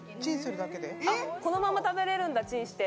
このまま食べれるんだ、チンして。